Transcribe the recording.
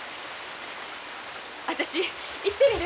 私行ってみる。